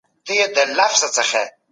روښانه فکر هدف نه زیانمنوي.